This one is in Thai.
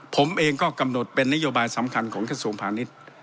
ผมเองก็กำหนดเป็นนโยบายสำคัญของกระทรวงพาณิชย์